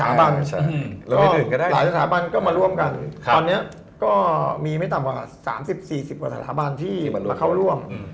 คือเราให้ดื่มก็ได้หลายสถาบันก็มาร่วมกันพอีเนี่ยก็มีไม่ต่ำกว่า๓๔สถาบันที่มาเข้าร่วม